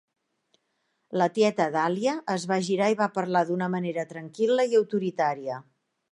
La tieta Dahlia es va girar i va parlar d'una manera tranquil·la i autoritària.